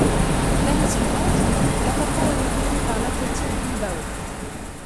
L'année suivante, l'attaquant est recruté par l'Athletic Bilbao.